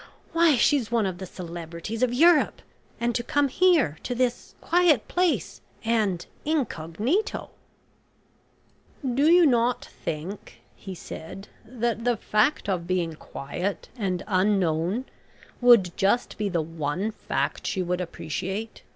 Why she's one of the celebrities of Europe, and to come here, to this quiet place and incognito?" "Do you not think," he said, "that the fact of being quiet and unknown would just be the one fact she would appreciate?